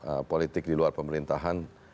ee politik di luar pemerintahan